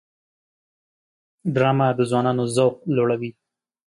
ډرامه د ځوانانو ذوق لوړوي